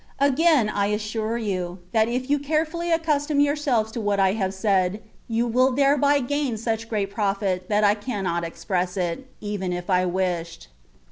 Again I assure you, that if you carefully accustom your selves to what I have said, you will thereby gain such great profit that I cannot express, even if I wished.